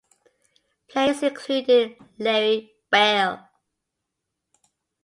Players included Larry Beil.